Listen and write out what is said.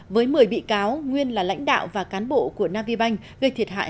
với một mươi bị cáo nguyên là lãnh đạo và cán bộ của navibank